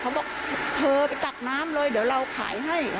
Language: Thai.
บอกเธอไปตักน้ำเลยเดี๋ยวเราขายให้